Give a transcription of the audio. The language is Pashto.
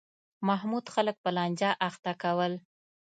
محمود خلک په لانجه اخته کول.